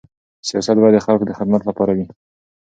سیاست باید د خلکو د خدمت لپاره وي.